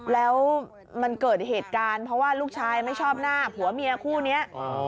แล้วมันเกิดเหตุการณ์เพราะว่าลูกชายไม่ชอบหน้าผัวเมียคู่นี้